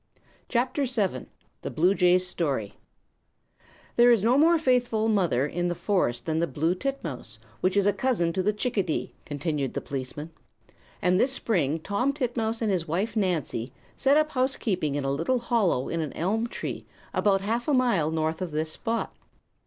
[CHAPTER VII] The Bluejay's Story "There is no more faithful mother in the forest than the blue titmouse, which is a cousin to the chickadee," continued the policeman, "and this spring Tom Titmouse and his wife Nancy set up housekeeping in a little hollow in an elm tree about half a mile north of this spot.